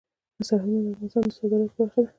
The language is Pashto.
سرحدونه د افغانستان د صادراتو برخه ده.